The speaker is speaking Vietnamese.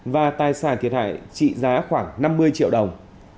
và tài sản thiệt hại trị giá khoảng năm mươi triệu đồng